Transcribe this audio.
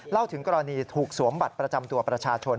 ถึงกรณีถูกสวมบัตรประจำตัวประชาชน